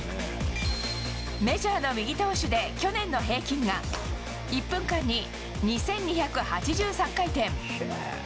メジャーの右投手で去年の平均が、１分間に２２８３回転。